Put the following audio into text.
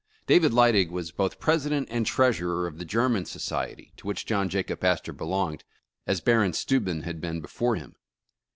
David Lydig was both President and Treasurer of the German Society, to which John Jacob Astor be longed, as Baron Steuben had been before him.